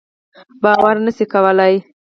باور نه شو کولای.